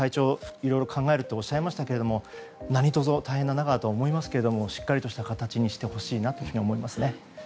いろいろ考えるとおっしゃいましたけども何卒、大変な中だと思いますがしっかりとした形にしてほしいと思いますね。